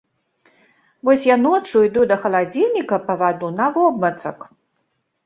Вось я ноччу іду да халадзільніка па ваду навобмацак.